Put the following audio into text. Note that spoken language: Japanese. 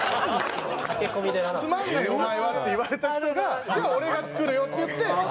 「つまんないお前は」って言われた人が「じゃあ俺が作るよ」って言って。